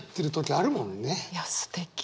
いやすてき。